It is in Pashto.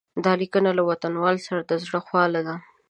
دا لیکنه له وطنوالو سره د زړه خواله ده.